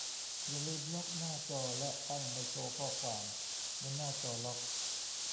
อย่าลืมล็อกหน้าจอ และตั้งไม่โชว์ข้อความบนหน้าจอล็อก